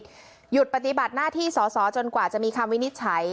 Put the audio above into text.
หยุดปฏิบัติหน้าที่สอสอจนกว่าจะมีคำวินิจฉัย